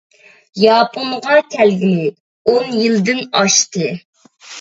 ياپونغا كەلگىلى ئون يىلدىن ئاشتى.